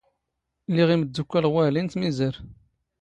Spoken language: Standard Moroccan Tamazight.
ⵍⵉⵖ ⵉⵎⴷⴷⵓⴽⴽⴰⵍ ⴳ ⵡⴰⵀⵍⵉ ⵏ ⵜⵎⵉⵣⴰⵔ.